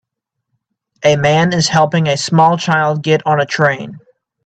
A man is helping a small child get on a train.